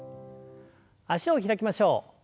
脚を開きましょう。